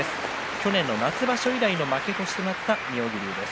去年の夏場所以来の負け越しとなった妙義龍です。